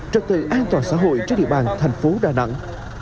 trật tự an toàn xã hội trên địa bàn thành phố đà nẵng